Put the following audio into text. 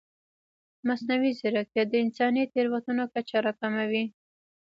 مصنوعي ځیرکتیا د انساني تېروتنو کچه راکموي.